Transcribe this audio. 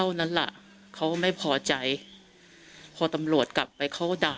หนูเล่นกับตำรวจไปอย่างนี้